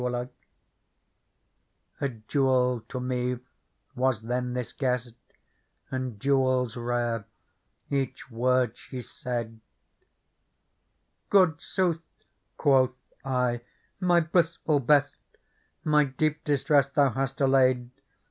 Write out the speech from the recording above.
Digitized by Google PEARL 13 A jewel to me was then this Guest, And jewels rare each word she said ;*' Good sooth," quoth I, " my blissful best. My deep distress thou hast allay'd.